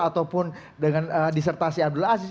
ataupun dengan disertasi abdul aziz